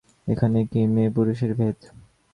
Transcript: এইখানেই কি মেয়েপুরুষের ভেদ।